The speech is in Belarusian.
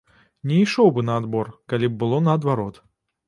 Не ішоў бы на адбор, калі б было наадварот.